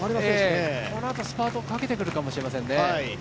このあとスパートをかけてくるかもしれませんね。